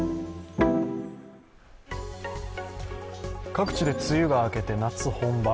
各地で梅雨が明けて夏本番。